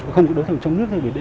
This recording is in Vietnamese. không có đối thầu chậm chạp